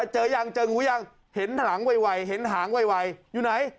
เจอยังเจองูยังเห็นหางไวเห็นหางไวอยู่ไหน